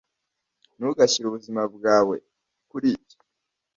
ntugashyire ubuzima bwawe kuri ibyo